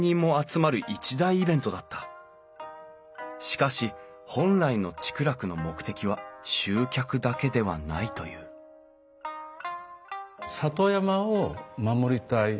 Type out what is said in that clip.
しかし本来の竹楽の目的は集客だけではないという里山を守りたい。